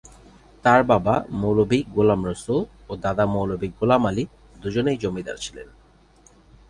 তার বাবা মৌলভী গোলাম রসুল ও দাদা মৌলভী গোলাম আলী দুজনেই জমিদার ছিলেন।